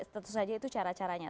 tentu saja itu cara caranya